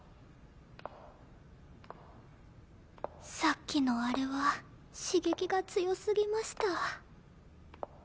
さっきのあれは刺激が強すぎました。